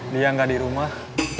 dia gak di rumah